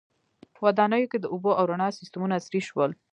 • ودانیو کې د اوبو او رڼا سیستمونه عصري شول.